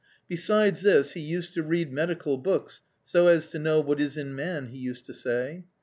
Besides this, he used to read medical books, " so as to know what is in man/ he used to say.